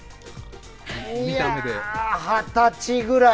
いやあ二十歳くらい。